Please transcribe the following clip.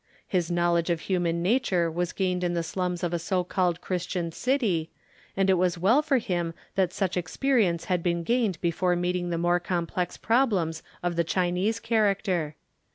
His knowledge of human nature was gained in the slums of a so called Christian city, and it was well for him that such experience had been gained before meeting the more complex problems of the Chinese character.